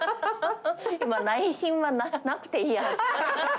今、内心はなくていいやと。